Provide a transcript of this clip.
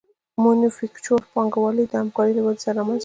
مینوفکچور پانګوالي د همکارۍ له ودې سره رامنځته شوه